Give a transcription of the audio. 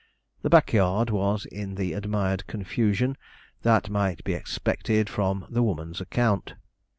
The back yard was in the admired confusion that might be expected from the woman's account.